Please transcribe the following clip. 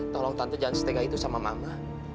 tolong tante jangan setega itu sama mama